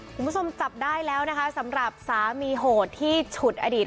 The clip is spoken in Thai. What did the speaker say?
คุณผู้ชมจับได้แล้วนะคะสำหรับสามีโหดที่ฉุดอดีต